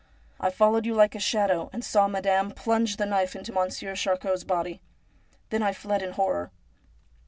I followed you like a shadow, and saw madame plunge the knife into Monsieur Charcot's body. Then I fled in horror.'